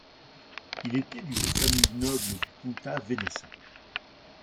Il était d'une famille noble du Comtat Venaissin.